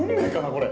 これ。